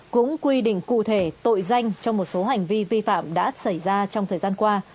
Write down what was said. cũng quy định cụ thể tội danh trong một số hành vi vi phạm đã xảy ra trong thời gian qua